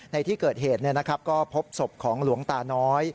ในที่เกิดเหตุก็พบศพของหลวงตาน้อย